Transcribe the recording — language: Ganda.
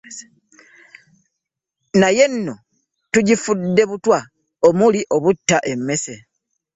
Naye nno tugifudde butwa buli obutta emmese